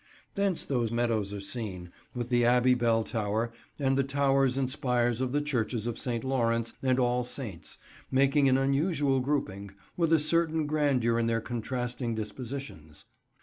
Thence those meadows are seen, with the Abbey Bell Tower, and the towers and spires of the churches of St. Lawrence and All Saints, making an unusual grouping, with a certain grandeur in their contrasting dispositions.